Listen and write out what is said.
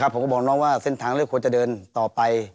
ผมก็บอกน้องว่าเส้นทางเลือกควรจะเดินต่อไป